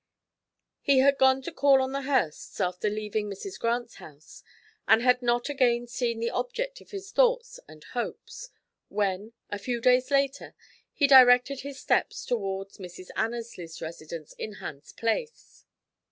He had gone to call on the Hursts after leaving Mrs. Grant's house, and had not again seen the object of his thoughts and hopes, when, a few days later, he directed his steps towards Mrs. Annesley's residence in Hans Place.